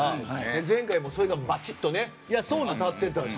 前回もそれがバチッと当たってたし。